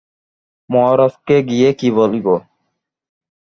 মহারাজকে গিয়া কী বলিব।